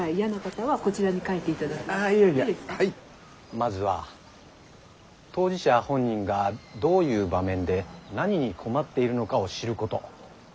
まずは当事者本人がどういう場面で何に困っているのかを知ること。